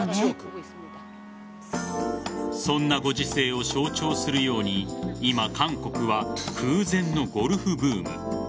そんなご時世を象徴するように今、韓国は空前のゴルフブーム。